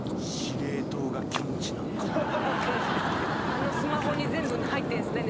あのスマホに全部入ってんすね。